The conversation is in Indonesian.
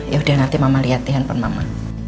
yaudah nanti mama liat di handphone mama